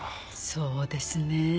そうですねえ。